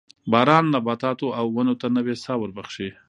باران نباتاتو او ونو ته نوې ساه وربخښي